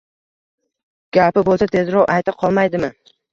Gapi bo`lsa, tezroq ayta qolmaydimi